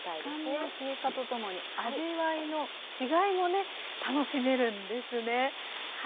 時間の経過とともに味わいの違いもね楽しめるんですね。